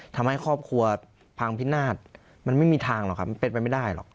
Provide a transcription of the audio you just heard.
ทำให้ครอบครัวพังพินาศมันไม่มีทางหรอกครับมันเป็นไปไม่ได้หรอก